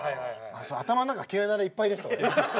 頭ん中毛穴でいっぱいでした。